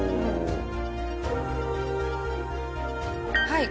はい。